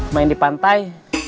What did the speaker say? main di pantai